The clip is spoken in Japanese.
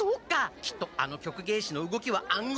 きっとあの曲芸師の動きは暗号！